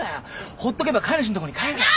ほっとけば飼い主んとこに帰るから。